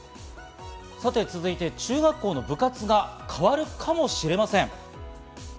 続いて、中学校の部活が変わるかもしれません。